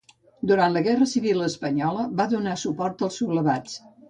Durant la guerra civil espanyola va donar suport als sublevats.